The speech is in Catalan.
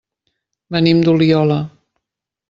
Venim d'Oliola.